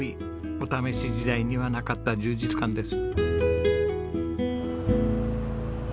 お試し時代にはなかった充実感です。